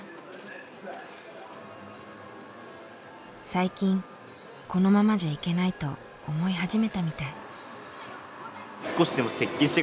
最近このままじゃいけないと思い始めたみたい。